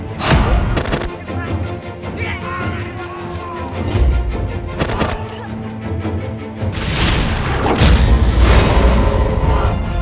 ketika dia otak itu tanpa paham harus aportasi sewibu